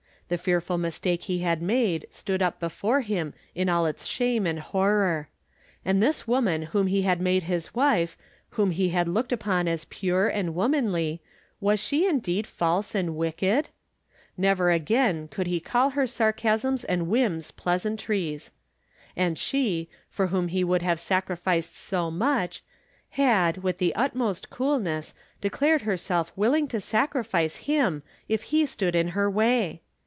The fearful mistake he had made stood up before him in aU its shame and horror. And this woman whom he had made his wife, whom he had looked upon as pure and womanly, was she indeed false and wicked ? Never again could he call her sar casms and whims pleasantries. And she, for whom he would have sacrificed so much, had, with the utmost coolness, declared herself willing to sacrifice him if he stood in her way